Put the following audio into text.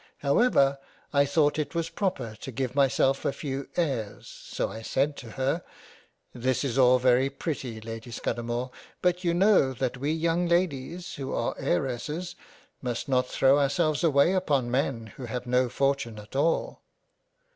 However, I thought it was proper to give myself a few Airs — so I said to her —" This is all very pretty Lady Scudamore, but you know that we young Ladies who are Heiresses must not throw our selves away upon Men who have no fortune at all."